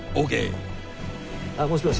あっもしもし。